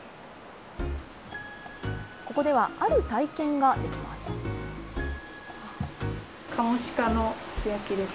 ここではある体験ができます。